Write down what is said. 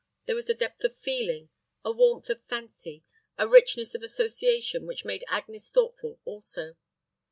There was a depth of feeling, a warmth of fancy, a richness of association which made Agnes thoughtful also.